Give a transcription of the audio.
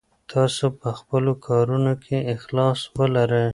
تاسو په خپلو کارونو کې اخلاص ولرئ.